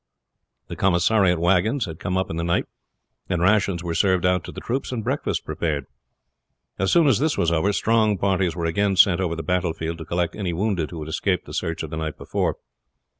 The commissariat wagons had come up in the night, and rations were served out to the troops and breakfast prepared. As soon as this was over strong parties were again sent over the battlefield to collect any wounded who had escaped the search of the night before.